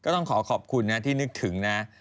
ต้องขอขอบคุณนะที่นึกถึงนะ